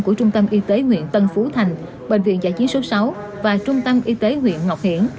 của trung tâm y tế huyện tân phú thành bệnh viện giải chiến số sáu và trung tâm y tế huyện ngọc hiển